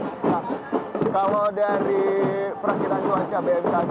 nah kalau dari perakhiran cuaca bmkg